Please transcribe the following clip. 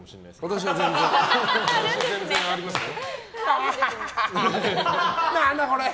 私は全然ありますよ。